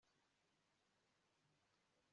Ishimwe rihumura ibyatsi